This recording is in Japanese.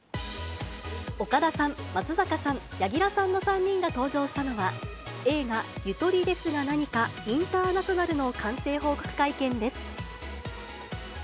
岡田さん、松坂さん、柳楽さんの３人が登場したのは、映画、ゆとりですがなにかインターナショナルの完成報告会見です。